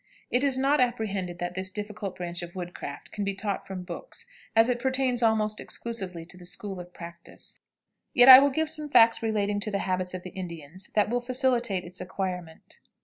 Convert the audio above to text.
It is not apprehended that this difficult branch of woodcraft can be taught from books, as it pertains almost exclusively to the school of practice, yet I will give some facts relating to the habits of the Indians that will facilitate its acquirement.